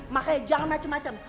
mak kayak jangan macem macem